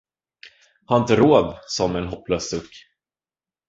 Har inte råd, sade hon med en hopplös suck.